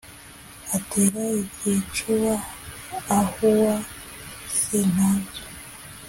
atera igicúba ahuwa séntabyó